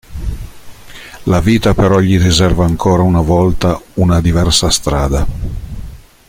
La vita però gli riserva ancora una volta una diversa strada.